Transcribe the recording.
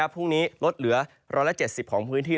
พรุ่งนี้ลดเหลือ๑๗๐ของพื้นที่